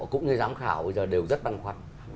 cũng như giám khảo bây giờ đều rất băn khoăn